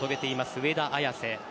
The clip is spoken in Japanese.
上田綺世。